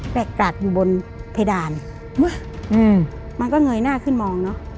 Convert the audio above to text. แปลกกราดอยู่บนเพดานมันก็เงยหน้าขึ้นมองเนอะ